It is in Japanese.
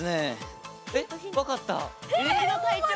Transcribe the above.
え分かった。